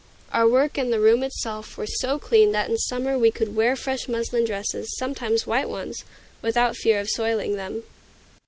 Our work and the room itself were so clean that in summer we could wear fresh muslin dresses, sometimes white ones, without fear of soiling them.